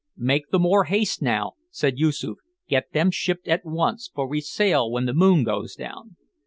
"Make the more haste now," said Yoosoof; "get them shipped at once, for we sail when the moon goes down.